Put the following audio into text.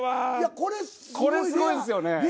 これはこれすごいですよね。